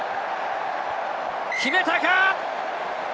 決めたか？